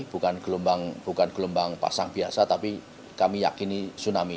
bukan gelombang pasang biasa tapi kami yakini tsunami